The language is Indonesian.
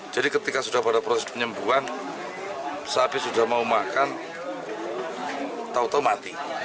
jadi ketika sudah pada proses penyembuhan sapi sudah mau makan tau tau mati